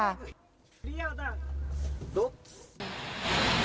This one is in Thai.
แล้วก็มีตำรวจมาหาที่บ้านเหมือนกัน